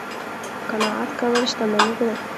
قناعت کول شتمني ده